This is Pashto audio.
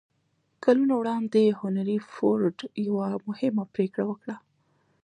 کلونه وړاندې هنري فورډ يوه مهمه پرېکړه وکړه.